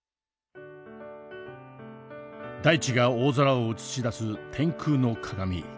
大地が大空を映し出す天空の鏡。